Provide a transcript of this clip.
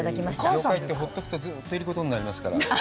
業界って、放っとくとずっといることになりますから。